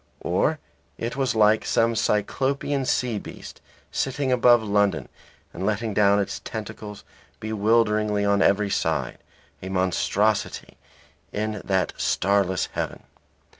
Or it was like some cyclopean sea beast sitting above London and letting down its tentacles bewilderingly on every side, a monstrosity in that starless heaven.